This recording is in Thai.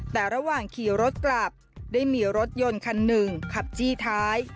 แต่ระหว่างขี่รถกลับได้มีรถยนต์คันหนึ่งขับจี้ท้าย